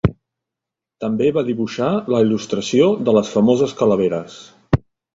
També va dibuixar la il·lustració de les famoses calaveres.